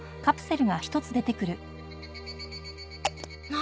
何？